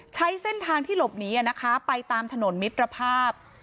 ใช้เส้นทางที่หลบหนีไปตามถนนมิตรภาพ